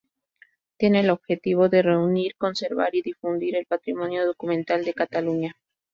Tiene el objetivo de reunir, conservar y difundir el patrimonio documental de Cataluña.